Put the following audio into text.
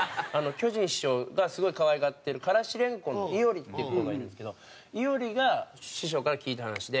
巨人師匠がすごいかわいがってるからし蓮根の伊織っていう子がいるんですけど伊織が師匠から聞いた話で。